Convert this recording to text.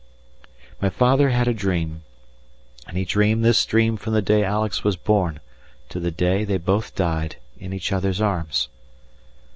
My father had a dream, and he dreamed this dream from the day Alex was born to the day they both died in each other's arms.